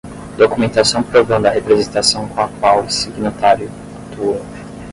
Documentação provando a representação com a qual o signatário atua.